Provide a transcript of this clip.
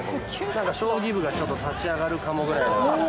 なんか将棋部がちょっと立ち上がるかもぐらいな。